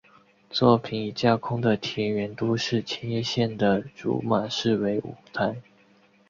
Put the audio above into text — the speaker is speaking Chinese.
作品以架空的田园都市千叶县的竹马市为舞台。